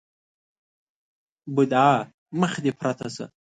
بدعا: مخ دې پرته شه!